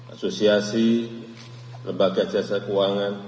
asosiasi lembaga jasa keuangan